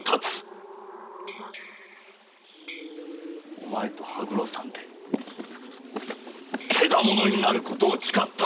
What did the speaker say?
お前と羽黒山でケダモノになることを誓ったあの日に戻る！